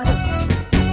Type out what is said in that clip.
masuk neng masuk